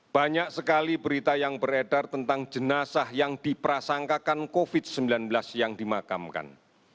banyak sekali berita yang beredar tentang jenazah yang diprasangkakan covid sembilan belas yang dimakamkan